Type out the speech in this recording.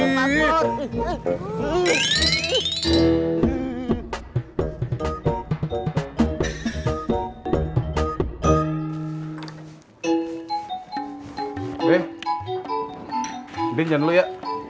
be be jangan lo ya